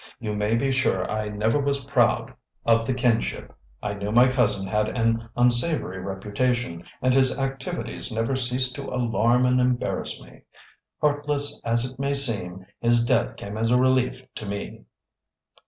You may be sure I never was proud of the kinship. I knew my cousin had an unsavory reputation, and his activities never ceased to alarm and embarrass me. Heartless as it may seem, his death came as a relief to me."